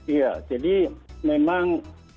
iya jadi memang